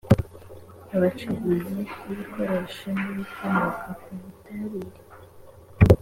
abacuruzi b ibikoresho n ibikomoka ku butabire